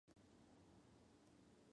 Integró la Comisión de Gobierno Interior.